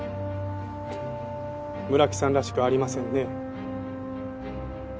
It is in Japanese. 村木さんらしくありませんね。